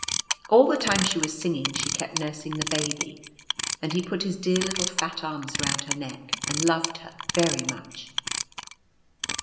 All the time she was singing she kept nursing the Baby, and he put his dear little fat arms round her neck, and loved her very much.